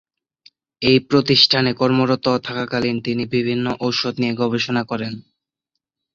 এই প্রতিষ্ঠানে কর্মরত থাকাকালীন তিনি বিভিন্ন ঔষধ নিয়ে গবেষণা করেন।